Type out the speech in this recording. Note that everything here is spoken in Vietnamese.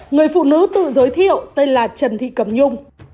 người phụ nữ tự giới thiệu tên là trần thị cẩm nhung